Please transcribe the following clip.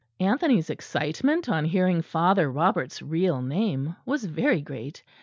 Anthony's excitement on hearing Father Robert's real name was very great.